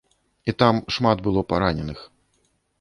І там шмат было параненых.